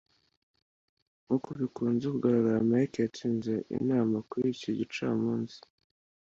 nkuko bikunze kugaragara, mike yatinze inama kuri iki gicamunsi